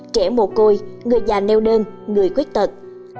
trẻ mồ côi người già neo đơn người khuyết tật